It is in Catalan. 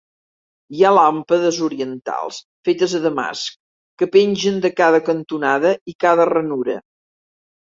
Hi ha làmpades orientals fetes a Damasc que pengen de cada cantonada i cada ranura.